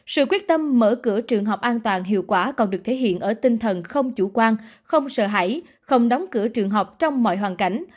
sự quyết tâm mở cửa trường học an toàn hiệu quả còn được thể hiện ở tinh thần không chủ quan không sợ hãi không đóng cửa trường học trong mọi hoàn cảnh